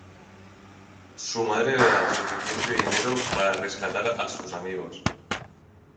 Su madre le da suficiente dinero para rescatar a sus amigos.